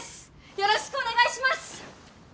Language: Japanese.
よろしくお願いします！